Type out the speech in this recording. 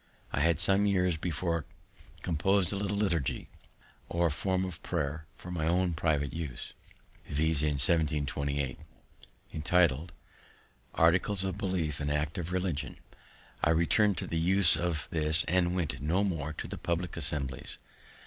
I had some years before compos'd a little Liturgy, or form of prayer, for my own private use (viz., in 1728), entitled, Articles of Belief and Acts of Religion. I return'd to the use of this, and went no more to the public assemblies.